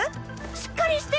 しっかりして！